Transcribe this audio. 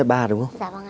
dạ vâng ạ